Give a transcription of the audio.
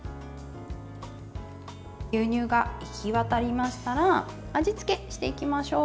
牛乳がいきわたりましたら味付けしていきましょう。